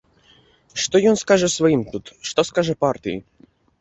Што ён скажа сваім тут, што скажа партыі?